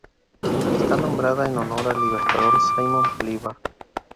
Está nombrada en honor al libertador Simón Bolívar.